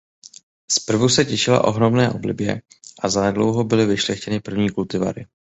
Zprvu se těšila ohromné oblibě a zanedlouho byly vyšlechtěny první kultivary.